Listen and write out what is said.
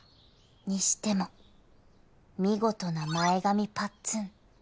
にしても見事な前髪ぱっつん